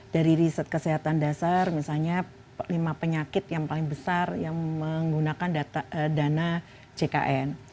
dari riset kesehatan dasar misalnya lima penyakit yang paling besar yang menggunakan dana jkn